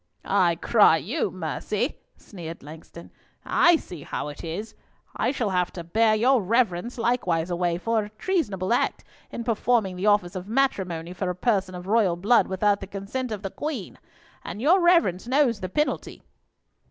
"I cry you mercy," sneered Langston. "I see how it is! I shall have to bear your reverence likewise away for a treasonable act in performing the office of matrimony for a person of royal blood without consent of the Queen. And your reverence knows the penalty."